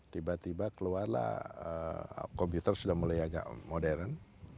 tiba tiba keluarlah komputer sudah mulai agak modern